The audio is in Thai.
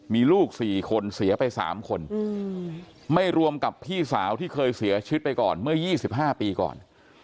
มีลูก๔คนเสียไป๓คนไม่รวมกับพี่สาวที่เคยเสียชีวิตไปก่อนเมื่อ๒๕ปีก่อน